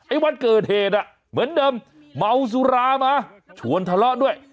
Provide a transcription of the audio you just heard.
วันเกิดเหตุอ่ะเหมือนเดิมเมาสุรามาชวนทะเลาะด้วย